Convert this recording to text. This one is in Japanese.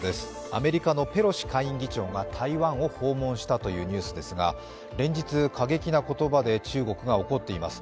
アメリカのペロシ下院議長が台湾を訪問したというニュースですが、連日、過激な言葉で中国が怒っています。